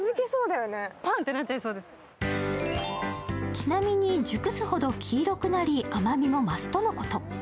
ちなみに熟すほど黄色くなり甘みも増すとのこと。